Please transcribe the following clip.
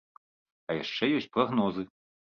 А яшчэ ёсць прагнозы.